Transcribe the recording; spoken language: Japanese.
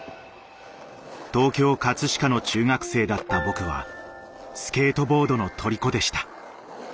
東京葛飾の中学生だった僕はスケートボードのとりこでした。